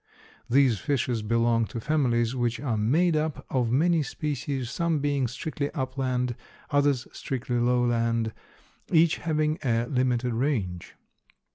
These fishes belong to families which are made up of many species, some being strictly upland, others strictly lowland, each having a limited range.